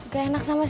gak enak sama siapa